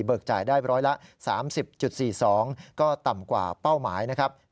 เบิกจ่ายได้ร้อยละ๓๐๔๒ก็ต่ำกว่าเป้าหมาย๒๔๒